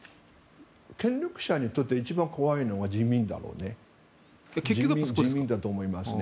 権力者にとって一番怖いのは人民だと思いますね。